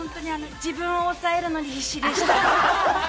自分を抑えるのに必死でした。